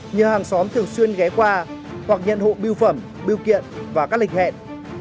nhờ hàng xóm thường xuyên ghé qua hoặc nhận hộ biêu phẩm biêu kiện và các lệnh hẹn